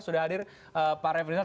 sudah hadir pak reven rizal